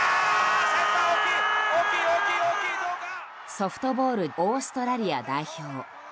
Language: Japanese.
ソフトボールオーストラリア代表。